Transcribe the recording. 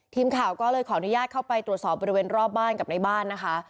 ทีมข่าวก็เลยขออนุญาตเข้าไปตรวจสอบบริเวณรอบบ้านกับในบ้านนะคะ